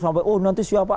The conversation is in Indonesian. oh nanti siapa